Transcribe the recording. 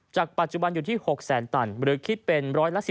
จากปัจจุบันอยู่ที่๖๐๐๐๐๐ตันหรือคิดเป็น๑๑๔